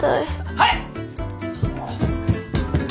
はい！